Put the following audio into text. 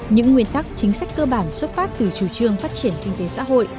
những nguyên tắc chính sách cơ bản xuất phát từ chủ trương phát triển kinh tế xã hội